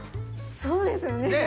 そうですね。